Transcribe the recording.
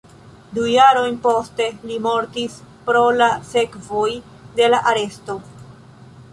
Du jarojn poste li mortis pro la sekvoj de la aresto.